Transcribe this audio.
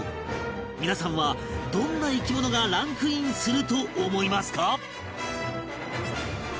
皆さんはどんな生き物がランクインすると思いますか？